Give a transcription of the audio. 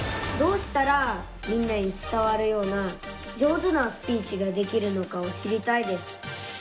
どうしたらみんなに伝わるような上手なスピーチができるのかを知りたいです。